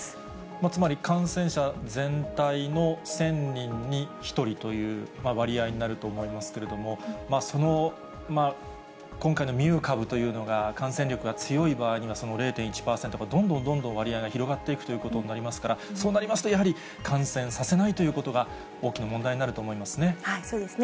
つまり、感染者全体の１０００人に１人という割合になると思いますけれども、今回のミュー株というのが感染力が強い場合には、その０．１％が、どんどんどんどん割合が広がっていくということになりますから、そうなりますと、やはり感染させないということが大きな問題になると思いますね。